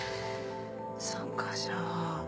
そっかじゃあ。